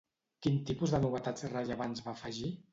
Quin tipus de novetats rellevants va afegir?